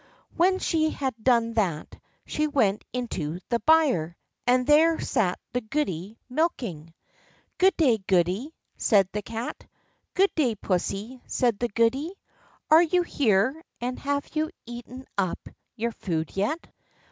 When she had done that, she went into the byre, and there sat the goody milking. "Good day, goody," said the Cat. "Good day, pussy," said the goody; "are you here, and have you eaten up your food yet?"